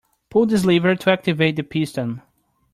Pull this lever to activate the piston.